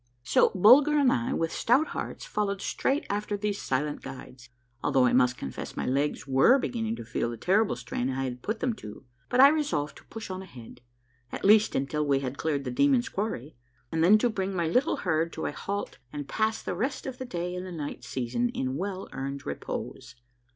So Bulger and I, with stout hearts, followed straight after these silent guides, although I must confess my legs were begin ning to feel the terrible strain I had put them to ; but I resolved to push on ahead, at least until we had cleared the Demons' Quarry, and then to bring my little herd to a halt and pass the rest of the day and the night season in well earned repose.